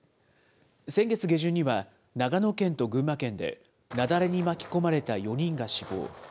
先月下旬には、長野県と群馬県で、雪崩に巻き込まれた４人が死亡。